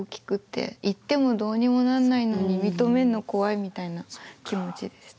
行ってもどうにもなんないのに認めるの怖いみたいな気持ちでした。